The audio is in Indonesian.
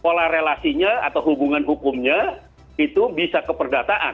pola relasinya atau hubungan hukumnya itu bisa ke perdataan